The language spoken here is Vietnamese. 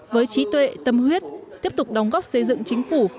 với trí tuệ tâm huyết tiếp tục đóng góp xây dựng chính phủ